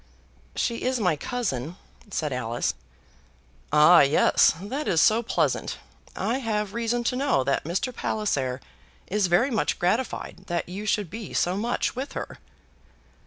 "She is my cousin," said Alice. "Ah! yes; that is so pleasant. I have reason to know that Mr. Palliser is very much gratified that you should be so much with her."